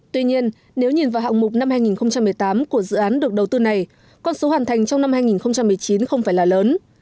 tuy nhiên nếu nhìn vào hạng mục năm hai nghìn một mươi tám của dự án được đầu tư này con số hoàn thành trong năm hai nghìn một mươi chín không phải là lớn